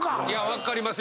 分かります。